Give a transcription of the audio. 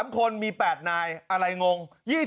๓คนมี๘นายอะไรงง